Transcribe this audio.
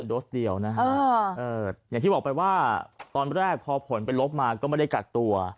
โสเดียวนะฮะอย่างที่บอกไปว่าตอนแรกพอผลเป็นลบมาก็ไม่ได้กักตัว